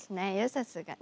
さすがに。